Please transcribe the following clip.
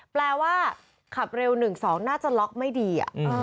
แปลว่าขับเร็ว๑๒น่าจะล็อกไม่ดี